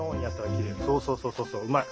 そうそうそうそううまい。